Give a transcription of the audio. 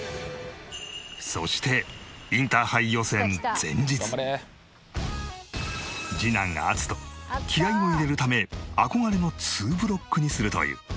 そして次男アツト気合を入れるため憧れのツーブロックにするという。